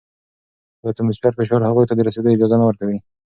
خو د اتموسفیر فشار هغوی ته د رسیدو اجازه نه ورکوي.